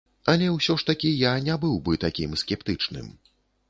Але ўсё ж такі я не быў бы такім скептычным.